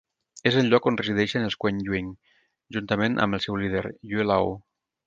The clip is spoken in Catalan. És el lloc on resideixen els Kuen-Yuin, juntament amb el seu líder, Yue-Laou.